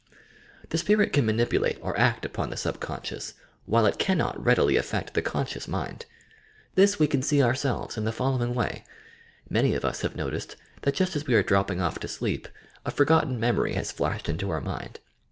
The spirit can manipulate or act upon the subconscious while it cannot readily affect the conscious mind. This we can see ourselves in the following way: Many of us have noticed that just as we are dropping off to sleep, a forgotten memory has flashed into the mind.